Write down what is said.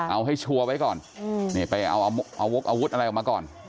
เอาให้ชัวร์ไว้ก่อนนี่ไปเอาวกอาวุธอะไรออกมาก่อน